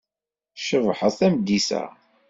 Tcebḥeḍ tameddit-a.